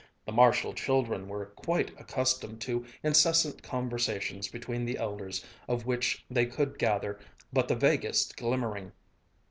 The Marshall children were quite accustomed to incessant conversations between their elders of which they could gather but the vaguest glimmering.